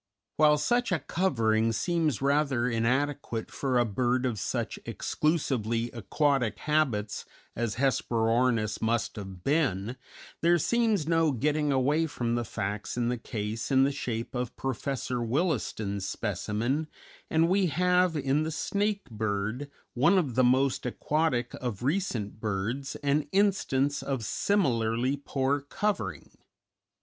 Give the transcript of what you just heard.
While such a covering seems rather inadequate for a bird of such exclusively aquatic habits as Hesperornis must have been, there seems no getting away from the facts in the case in the shape of Professor Williston's specimen, and we have in the Snake Bird, one of the most aquatic of recent birds, an instance of similarly poor covering.